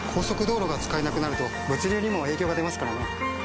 速道路が使えなくなると物流にも影響が出ますからね。